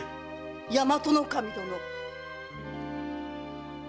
大和守殿。